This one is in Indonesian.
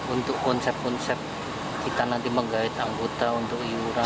untuk konsep konsep kita nanti menggait anggota untuk iuran